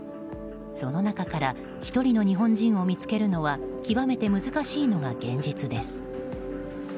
その中から１人の日本人を見つけるのは極めて難しいのが現実です。